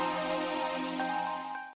kamu bisa mencoba